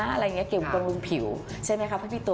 อะไรอย่างนี้เกี่ยวกับบริวกรรมผิว